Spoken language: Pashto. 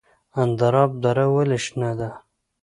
اندراب دره ولې شنه ده؟